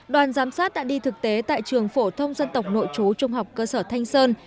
đoàn giám sát đã đi thực tế tại trường phổ thông dân tộc nội chú trung học cơ sở thanh sơn